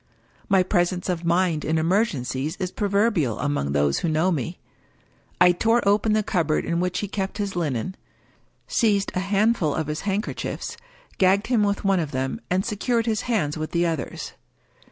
My presence of mind in emergencies is proverbial among those who know me. I tore open the cupboard in which he kept his linen — seized a handful of his handkerchiefs — gagged him with one of them, and secured his hands with the others.